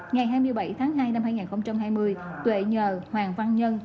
ngày hai mươi bảy tháng hai năm hai nghìn hai mươi tuệ nhờ hoàng văn nhân